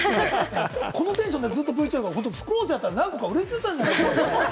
このテンションでＶＴＲ、副音声があったら何個か売れてたんじゃないかって。